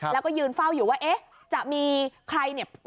แล้วก็ยืนเฝ้าอยู่ว่าเอ๊ะจะมีใครเนี่ย